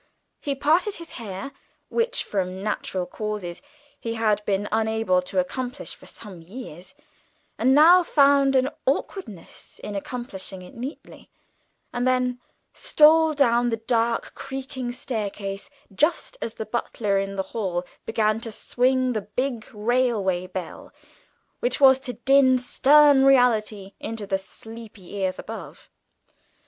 He parted his hair, which from natural causes he had been unable to accomplish for some years, and now found an awkwardness in accomplishing neatly, and then stole down the dark creaking staircase just as the butler in the hall began to swing the big railway bell which was to din stern reality into the sleepy ears above.